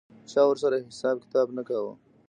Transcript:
چا ورسره حساب کتاب نه کاوه.